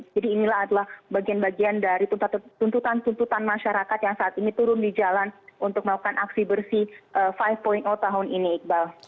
jadi inilah adalah bagian bagian dari tuntutan tuntutan masyarakat yang saat ini turun di jalan untuk melakukan aksi bersih lima tahun ini iqbal